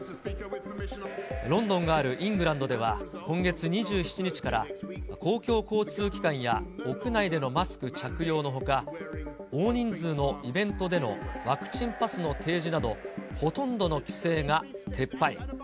ロンドンがあるイングランドでは、今月２７日から、公共交通機関や屋内でのマスク着用のほか、大人数のイベントでのワクチンパスの提示など、ほとんどの規制が撤廃。